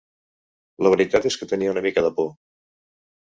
La veritat és que tenia una mica de por.